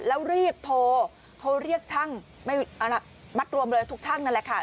แล้วรีบโทรโทรเรียกช่างมัดรวมเลยทุกช่างนั่นแหละค่ะ